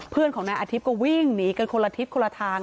เพื่อนของนายอาทิตย์ก็วิ่งหนีกันคนละทิศคนละทาง